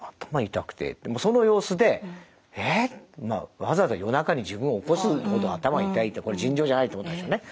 もうその様子で「えっ！？」。まあわざわざ夜中に自分を起こすほど頭が痛いってこれ尋常じゃないってことでしょうね。